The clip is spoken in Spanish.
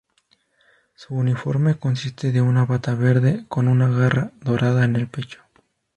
Su uniforme consiste de una bata verde con una garra dorada en el pecho.